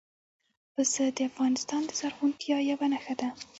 پسه د افغانستان د زرغونتیا یوه نښه ده.